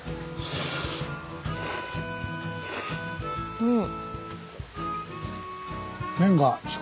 うん。